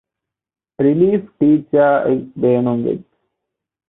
ރިލީފް ޓީޗަރ އެއް ބޭނުންވެއްޖެ